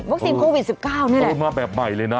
วัคซีนโควิด๑๙นี่แหละโอ้โฮมาแบบใหม่เลยนะ